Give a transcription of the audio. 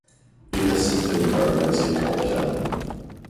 It has since been regarded as a cult film.